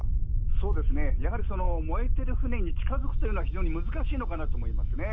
そうですね、やはり燃えてる船に近づくというのは非常に難しいのかなと思いますね。